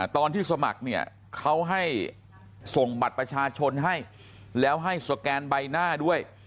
ตอนที่สมัครเนี่ยเขาให้ส่งบัตรประชาชนให้แล้วให้สแกนใบหน้าด้วย